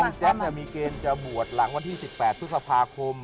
วงแจ๊มมีเกณฑ์จะบวชหลังวันที่๑๘ทุกสัพพาคม